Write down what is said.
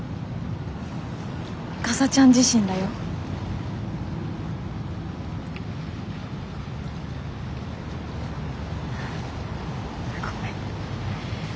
かさちゃん自身だよ。ごめん。